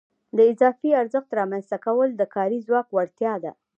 د اضافي ارزښت رامنځته کول د کاري ځواک وړتیا ده